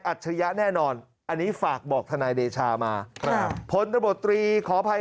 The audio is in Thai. ฉริยะแน่นอนอันนี้ฝากบอกทนายเดชามาครับพลตบตรีขออภัย